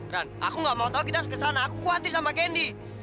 ran aku gak mau tau kita harus kesana aku khawatir sama candy